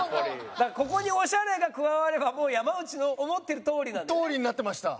だからここに「オシャレ」が加わればもう山内の思ってるとおりなんだよね？